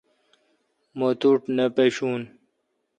مہ توٹھ نہ پاشوں۔